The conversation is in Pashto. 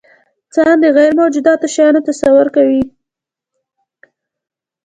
انسان د غیرموجودو شیانو تصور کوي.